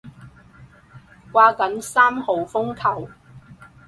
掛緊三號風球